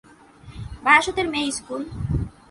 বারাসতের মেয়ে ইস্কুল?